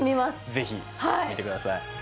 ぜひ見てください。